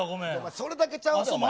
それだけちゃうでお前。